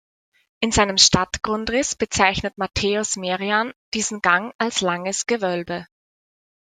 In seinem Stadtgrundriss bezeichnet "Matthäus Merian" diesen Gang als "Langes Gewölbe".